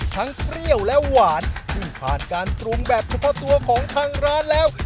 เปรี้ยวและหวานซึ่งผ่านการปรุงแบบเฉพาะตัวของทางร้านแล้ว